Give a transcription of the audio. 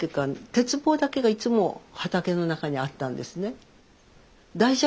鉄棒だけがいつも畑の中にあったんですね。